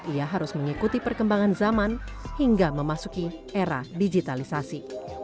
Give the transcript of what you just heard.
ia harus mengikuti perkembangan zaman hingga memasuki era digitalisasi